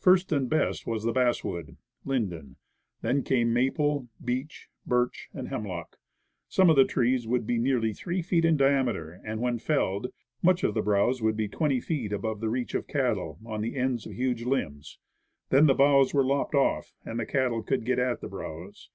First and best was the basswood (linden); then came maple, beech, birch and hemlock. Some of the trees would be nearly three feet in diameter, and, when felled, much of the browse would be twenty feet above the reach of cattle, on the ends of huge limbs Then the boughs were lopped off, and the cattle could get at the browse.